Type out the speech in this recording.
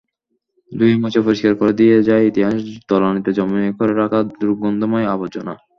ধুয়েমুছে পরিষ্কার করে দিয়ে যায় ইতিহাসের তলানিতে জমা করে রাখা দুর্গন্ধময় আবর্জনা।